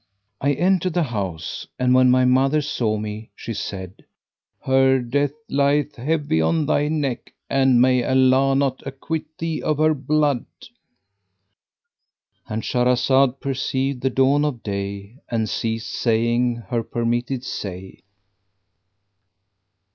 I entered the house, and when my mother saw me, she said, "Her death lieth heavy on thy neck and may Allah not acquit thee of her blood!"—And Shahrazad perceived the dawn of day and ceased saying her permitted say.